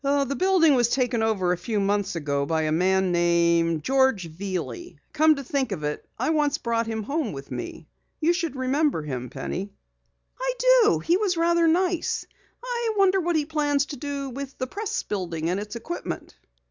"The building was taken over a few months ago by a man named George Veeley. Come to think of it, I once brought him home with me. You should remember him, Penny." "I do. He was rather nice. I wonder what he plans to do with the Press building and its equipment."